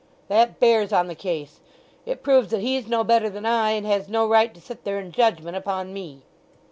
"That bears on the case. It proves that he's no better than I, and has no right to sit there in judgment upon me."